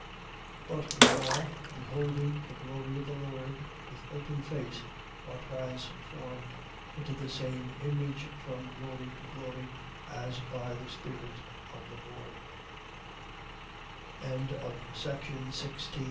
But we all, beholding the glory of the Lord with open face, are transformed into the same image from glory to glory, as by the Spirit